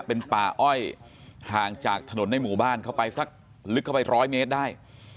เป็นป่าอ้อยห่างจากถนนในหมู่บ้านเข้าไปสักลึกเข้าไปร้อยเมตรได้